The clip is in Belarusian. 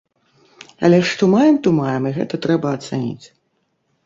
Але што маем, то маем, і гэта трэба ацаніць!